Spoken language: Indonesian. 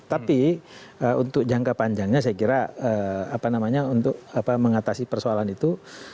tapi untuk jangka panjangnya saya kira apa namanya untuk mengatasi persoalan itu